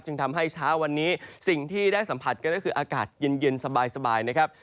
ทำให้เช้าวันนี้สิ่งที่ได้สัมผัสกันก็คืออากาศเย็นสบายนะครับ